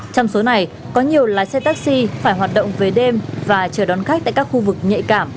trong số này có nhiều lái xe taxi phải hoạt động về đêm và chờ đón khách tại các khu vực nhạy cảm